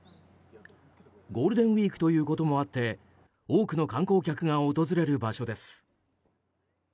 ゴールデンウィークということもあって多くの観光客が訪れる場所です。